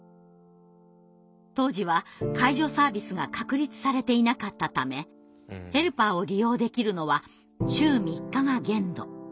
当時は介助サービスが確立されていなかったためヘルパーを利用できるのは週３日が限度。